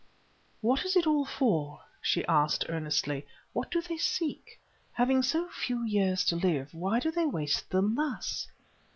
"What is it all for?" she asked earnestly. "What do they seek? Having so few years to live, why do they waste them thus?"